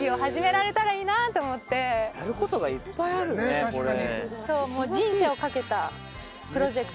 確かに。